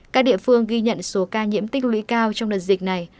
các địa phương ghi nhận số ca nhiễm tích lũy cao trong đợt dịch này